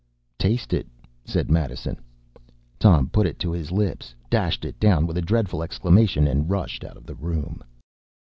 ” “Taste it!” said Madison. Tom put it to his lips, dashed it down with a dreadful exclamation, and rushed out of the room.